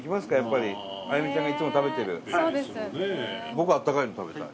僕あったかいの食べたい。